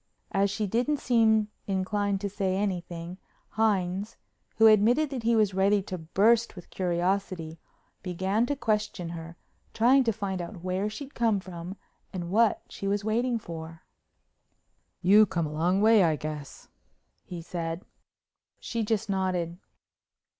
As she didn't seem inclined to say anything, Hines, who admitted that he was ready to burst with curiosity, began to question her, trying to find out where she'd come from and what she was waiting for. "You come a long way, I guess," he said. She just nodded.